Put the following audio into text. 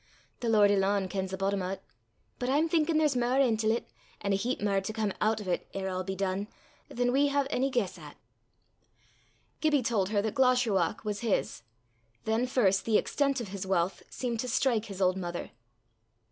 The Lord alane kens the boddom o' 't; but I'm thinkin' there's mair intil 't, an' a heap mair to come oot o' 't ere a' be dune, than we hae ony guiss at." Gibbie told her that Glashruach was his. Then first the extent of his wealth seemed to strike his old mother.